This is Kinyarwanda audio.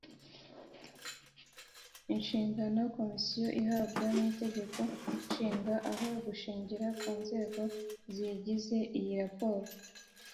nshingano komisiyo ihabwa n itegeko nshinga aho gushingira ku nzego ziyigize iyi raporo